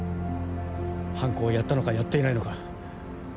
犯行をやったのかやっていないのか。